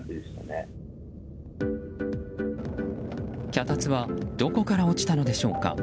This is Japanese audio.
脚立はどこから落ちたのでしょうか。